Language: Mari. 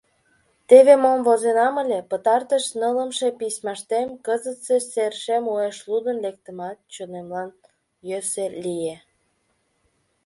Теве мом возенам ыле пытартыш нылымше письмаштемКызытсе серышем уэш лудын лектымат, чонемлан йӧсӧ лие.